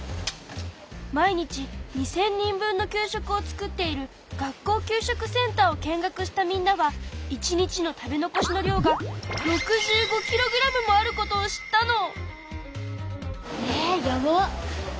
毎日２０００人分の給食を作っている学校給食センターを見学したみんなは１日の食べ残しの量が６５ｋｇもあることを知ったの！